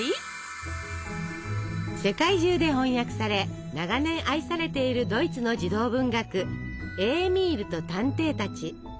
世界中で翻訳され長年愛されているドイツの児童文学「エーミールと探偵たち」。